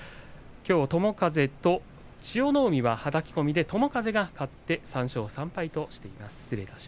友風と千代の海がはたき込みで友風が勝って３勝３敗としています。